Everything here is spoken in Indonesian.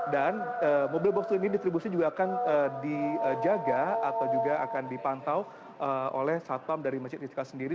mobil box ini distribusi juga akan dijaga atau juga akan dipantau oleh satpam dari masjid istiqlal sendiri